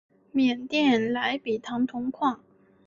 缅甸莱比塘铜矿。